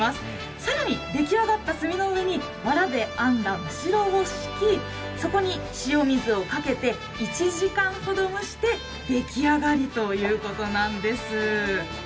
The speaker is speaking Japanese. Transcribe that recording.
更に出来上がった炭のうえにわらで編んだむしろを敷きそこに塩水をかけて１時間ほど蒸して出来上がりということなんです。